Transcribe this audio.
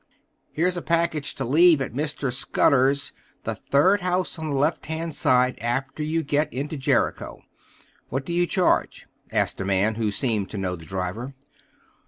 "Here's a package to leave at Mr. Scudder's, the third house on the left hand side after you get into Jericho. What do you charge?" asked a man who seemed to know the driver.